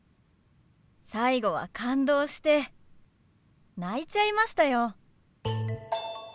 最後は感動して泣いちゃいましたよ。